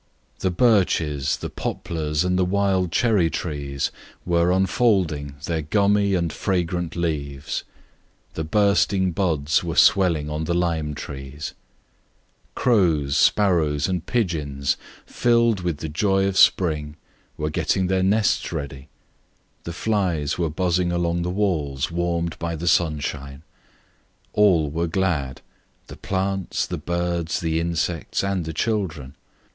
The birches, the poplars, and the wild cherry unfolded their gummy and fragrant leaves, the limes were expanding their opening buds; crows, sparrows, and pigeons, filled with the joy of spring, were getting their nests ready; the flies were buzzing along the walls, warmed by the sunshine. All were glad, the plants, the birds, the insects, and the children.